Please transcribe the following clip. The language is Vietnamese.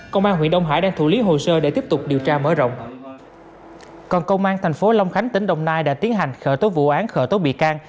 còn công an thành phố long khánh tỉnh đồng nai đã tiến hành khởi tố vụ án khởi tố bị can